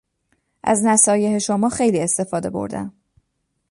از نصایح شما خیلی استفاده بردهام.